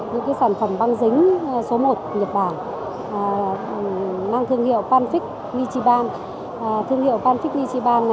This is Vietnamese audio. những sản phẩm băng dính số một nhật bản mang thương hiệu panfix nichiban